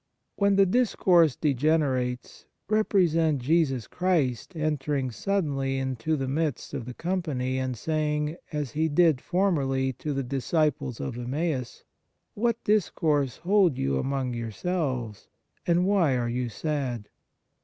When the discourse degenerates, represent Jesus Christ entering suddenly into the midst of the company, and saying, as He did for merly to the disciples of Emmaus :" What discourse hold you among yourselves, and why are you sad